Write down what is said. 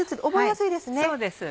そうです。